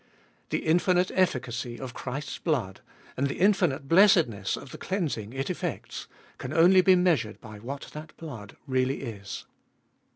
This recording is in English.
The infinite efficacy of Christ's blood, and the infinite blessedness of the cleansing it effects, can only be measured by what that blood really is.